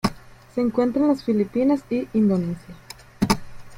Se encuentra en las Filipinas y Indonesia.